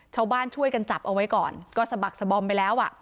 ชาวบ้านช่วยกันจับเอาไว้ก่อนก็สะบักสะบอมไปแล้วอ่ะ